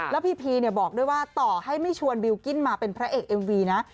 แล้วพีพีบอกด้วยว่าต่อให้ไม่ชวนบิลกิ้นมาเป็นพระเอกเอ็มวีนะ